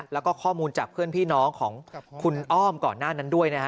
แล้วก็ข้อมูลจากเพื่อนพี่น้องของคุณอ้อมก่อนหน้านั้นด้วยนะฮะ